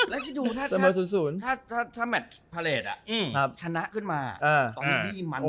แล้วคิดดูถ้าแมทฟาเลชน์ชนะขึ้นมาต้องมีพี่มันเลยนะ